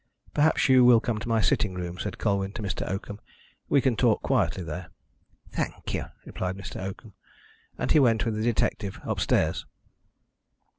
"Perhaps you will come to my sitting room," said Colwyn to Mr. Oakham. "We can talk quietly there." "Thank you," responded Mr. Oakham, and he went with the detective upstairs.